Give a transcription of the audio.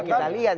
oh kita lihat